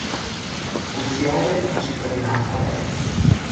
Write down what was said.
Possiede la cittadinanza belga.